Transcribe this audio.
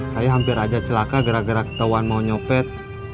saya hampir aja celaka gara gara ketahuan mau nyopet